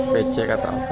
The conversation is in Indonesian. becek atau apa